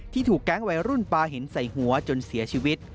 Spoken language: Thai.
ถูกแก๊งวัยรุ่นปลาหินใส่หัวจนเสียชีวิต